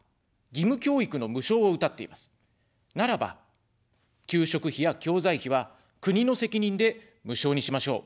ならば、給食費や教材費は国の責任で無償にしましょう。